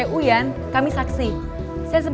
aku sudah kekejar